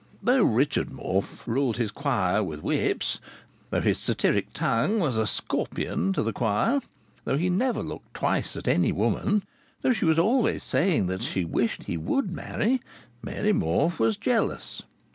Though Richard Morfe ruled his choir with whips, though his satiric tongue was a scorpion to the choir, though he never looked twice at any woman, though she was always saying that she wished he would marry, Mary Morfe was jealous.